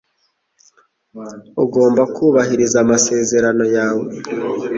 Ugomba kubahiriza amasezerano yawe.